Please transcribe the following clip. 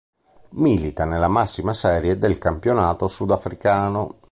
Milita nella massima serie del campionato sudafricano.